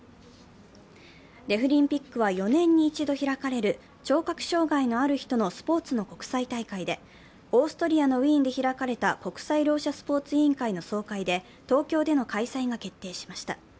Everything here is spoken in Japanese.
デフリンピックは４年に１度開かれる聴覚障害のある人のスポーツの国際大会で、オーストリアのウィーンで開かれた国際ろう者スポーツ委員会の総会で東京での開催が決定しました。